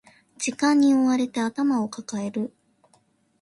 時間に追われて頭を抱える